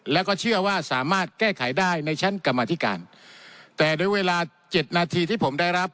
แล้วก็เชื่อว่าสามารถแก้ไขได้ในชั้นกรรมธิการแต่โดยเวลาเจ็ดนาทีที่ผมได้รับ